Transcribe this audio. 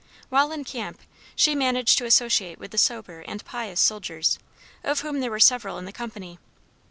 While in camp she managed to associate with the sober and pious soldiers, of whom there were several in the company.